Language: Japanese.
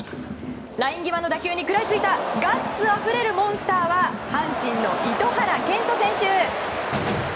ライン際の打球に食らいついたガッツあふれるモンスターは阪神の糸原健斗選手。